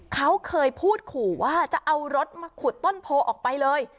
เขาเคยพูดขู่ว่าจะเอารถมาขุดต้นโพออกไปเลย